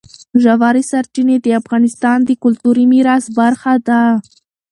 ژورې سرچینې د افغانستان د کلتوري میراث برخه ده.